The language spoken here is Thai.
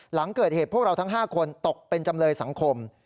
หลังเกิดเหตุพวกเราทั้ง๕คนตกเป็นจำเลยสังคม